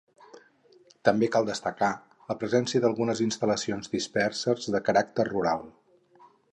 També cal destacar la presència d’algunes instal·lacions disperses de caràcter rural.